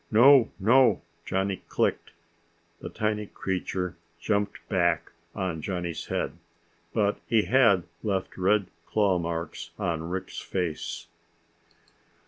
"No, no!" Johnny clicked. The tiny creature jumped back on Johnny's head, but he had left red claw marks on Rick's face.